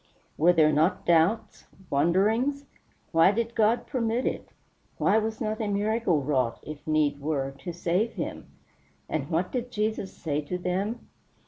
Were there not doubts wonderings? Why did God permit it? Why was not a miracle wrought, if need were, to save him? And what did Jesus say to them?